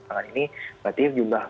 nah ini berarti jumlah